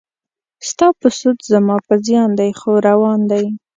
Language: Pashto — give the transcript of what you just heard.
ستا په سود زما په زیان دی خو روان دی.